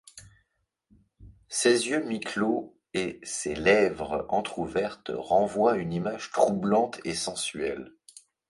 Ses yeux mi-clos et ses lèvres entrouvertes renvoient une image troublante et sensuelle.